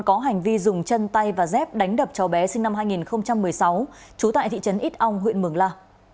có hành vi dùng chân tay và dép đánh đập cháu bé sinh năm hai nghìn một mươi sáu trú tại thị trấn ít ong huyện mường la